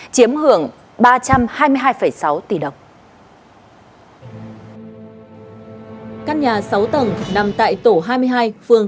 chiếm hưởng ba trăm hai mươi hai sáu tỷ đồng